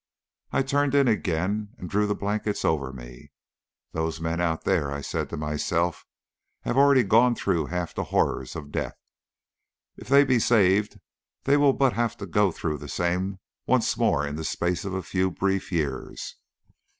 I turned in again and drew the blankets over me. "Those men out there," I said to myself, "have already gone through half the horrors of death. If they be saved they will but have to go through the same once more in the space of a few brief years.